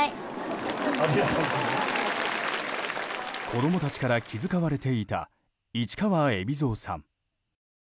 子供たちから気遣われていた市川海老蔵さん。